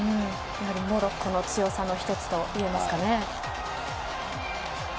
モロッコの強さの１つと言えますかね。